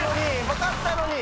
分かったのに！